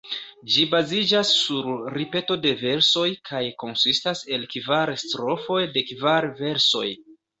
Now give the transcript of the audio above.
Ĝi baziĝas sur ripeto de versoj, kaj konsistas el kvar strofoj de kvar versoj.